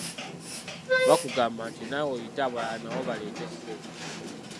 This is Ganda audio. Bakugamba nti naawe oyite abalala nabo baleete ssente.